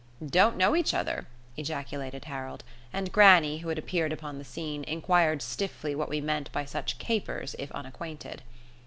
"Don't know each other!" ejaculated Harold; and grannie, who had appeared upon the scene, inquired stiffly what we meant by such capers if unacquainted.